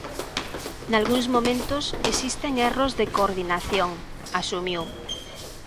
"Nalgúns momentos existen erros de coordinación", asumiu.